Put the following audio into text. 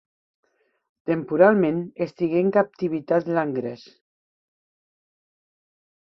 Temporalment estigué en captivitat Langres.